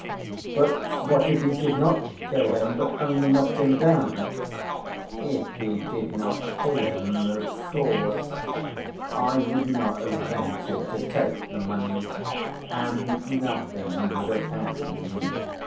"But what if he did not kill him, but only knocked him down?" "If he did not kill him, of course, I would not have ventured to take the money, and nothing would have happened.